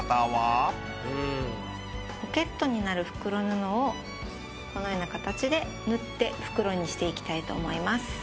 ポケットになる袋布をこのような形で縫って袋にしていきたいと思います。